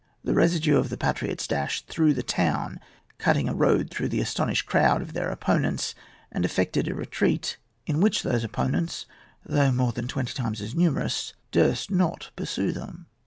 The residue of the patriots dashed through the town, cutting a road through the astonished crowd of their opponents, and effected a retreat in which those opponents, though more than twenty times as numerous, durst not pursue them.